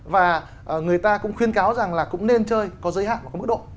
và người ta cũng khuyên cáo rằng là cũng nên chơi có giới hạn và có mức độ